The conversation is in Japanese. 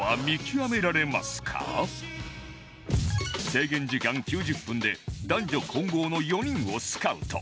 制限時間９０分で男女混合の４人をスカウト